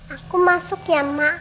aku masuk ya ma